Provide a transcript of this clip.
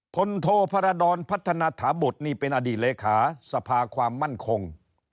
พลโทพรดรพัฒนาถาบุตรนี่เป็นอดีตเลขาสภาความมั่นคง